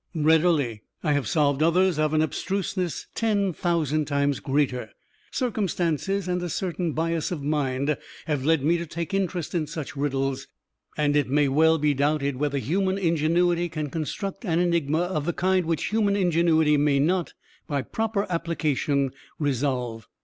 "Readily; I have solved others of an abstruseness ten thousand times greater. Circumstances, and a certain bias of mind, have led me to take interest in such riddles, and it may well be doubted whether human ingenuity can construct an enigma of the kind which human ingenuity may not, by proper application, resolve.